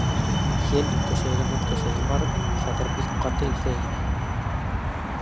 Ел, көсәйгәндән-көсәйә барып, хәҙер бик ҡаты иҫә ине.